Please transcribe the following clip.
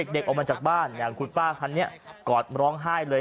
เด็กออกมาจากบ้านอย่างคุณป้าคันนี้กอดร้องไห้เลย